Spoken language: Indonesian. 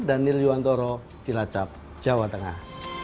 dan nil yuwantoro cilacap jawa tengah